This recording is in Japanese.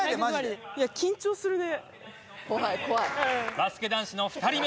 バスケ男子の２人目。